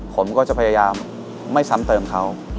ผมก็จะพยายามไม่ซ้ำเติมเขา